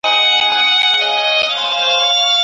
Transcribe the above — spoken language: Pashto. تاسي په خپل لیپټاپ کي د کومې ژبې ویډیوګانې ساتئ؟